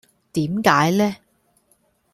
點解呢